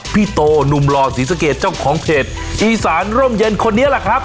พี่โตหนุ่มหล่อศรีสะเกดเจ้าของเพจอีสานร่มเย็นคนนี้แหละครับ